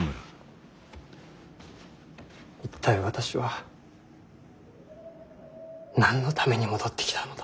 一体私は何のために戻ってきたのだ。